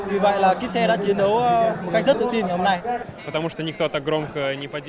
vì vậy là kiếp xe đã chiến đấu một cách rất tự tin ngày hôm nay